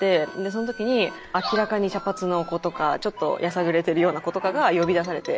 その時に明らかに茶髪の子とかちょっとやさぐれてるような子とかが呼び出されて。